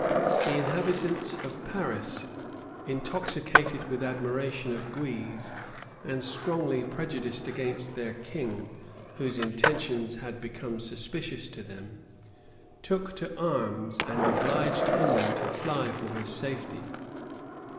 The inhabitants of Paris, intoxicated with admiration of Guise, and strongly prejudiced against their king, whose intentions had become suspicious to them, took to arms and obliged Henry to fly for his safety.